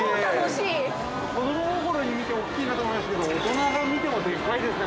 ◆子供心に見て大きいなと思いましたけど、大人が見てもでかいですね。